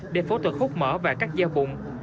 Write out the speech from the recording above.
để phẫu thuật hút mỡ và cắt da bụng